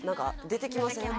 出てきますね